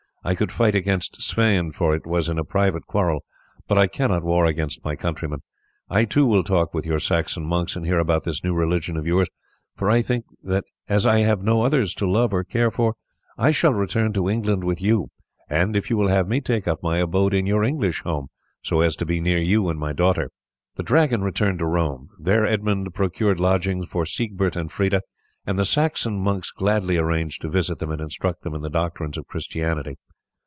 I could fight against Sweyn, for it was in a private quarrel, but I cannot war against my countrymen. I too will talk with your Saxon monks, and hear about this new religion of yours, for I think that as I have no others to love or care for I shall return to England with you, and, if you will have me, take up my abode in your English home so as to be near you and my daughter." The Dragon returned to Rome. There Edmund procured lodgings for Siegbert and Freda, and the Saxon monks gladly arranged to visit them and instruct them in the doctrines of Christianity.